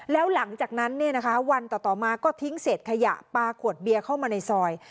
แล้วหลังจากนั้นวันต่อมาก็ทิ้งเศษขยะปลาขวดเบียร์เข้ามาในซอย